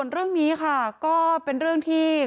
เรื่องนี้ค่ะก็เป็นเรื่องที่